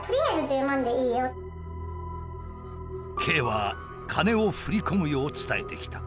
Ｋは金を振り込むよう伝えてきた。